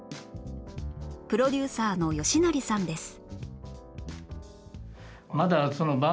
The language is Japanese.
プロデューサーの吉成さんです